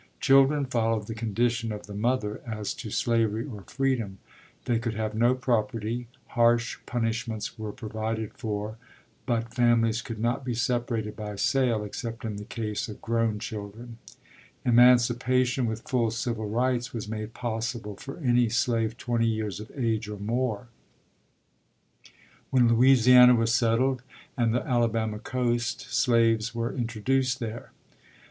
Children followed the condition of the mother as to slavery or freedom; they could have no property; harsh punishments were provided for, but families could not be separated by sale except in the case of grown children; emancipation with full civil rights was made possible for any slave twenty years of age or more. When Louisiana was settled and the Alabama coast, slaves were introduced there.